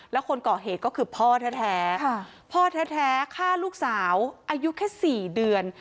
แล้วคนก่อเหตุก็คือพ่อแท้พ่อแท้ฆ่าลูกสาวอายุแค่๔เดือน